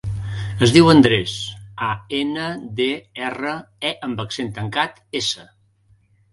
Es diu Andrés: a, ena, de, erra, e amb accent tancat, essa.